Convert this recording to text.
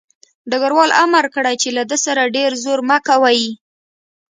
ډګروال امر کړی چې له ده سره ډېر زور مه کوئ